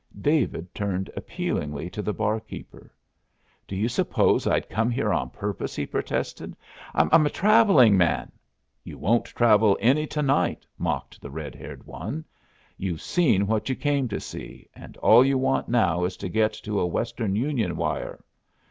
David turned appealingly to the barkeeper. "Do you suppose I'd come here on purpose?" he protested. "I'm a travelling man " "You won't travel any to night," mocked the red haired one. "You've seen what you came to see, and all you want now is to get to a Western Union wire.